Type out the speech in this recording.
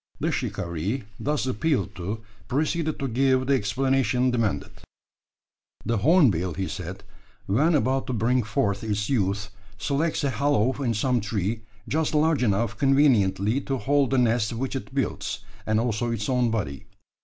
The shikaree, thus appealed to, proceeded to give the explanation demanded. The hornbill, he said, when about to bring forth its young, selects a hollow in some tree, just large enough conveniently to hold the nest which it builds, and also its own body.